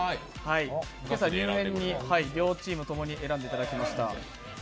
今朝、入念に両チームともに選んでいただきました。